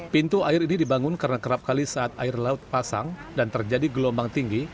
pintu air ini dibangun karena kerap kali saat air laut pasang dan terjadi gelombang tinggi